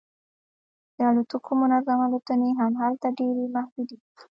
د الوتکو منظم الوتنې هم هلته ډیرې محدودې دي